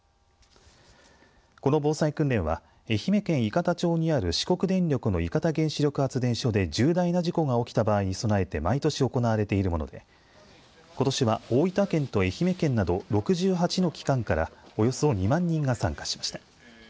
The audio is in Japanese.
この防災訓練は愛媛県伊方町にある四国電力の伊方原子力発電所で重大な事故が起きた場合に備えて毎年行われているものでことしは、大分県と愛媛県など６８の機関からおよそ２万人が参加しました。